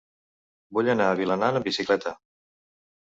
Vull anar a Vilanant amb bicicleta.